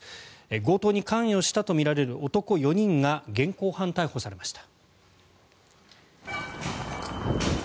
強盗に関与したとみられる男４人が現行犯逮捕されました。